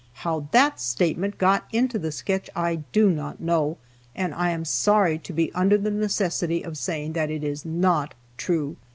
How that statement got into the sketch I do not know, and I am sorry to be under the necessity of saying that it is not true.